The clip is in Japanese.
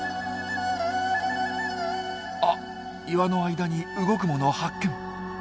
あっ岩の間に動くもの発見。